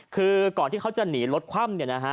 คือก่อนที่เค้าจะหนีรถคว่ำ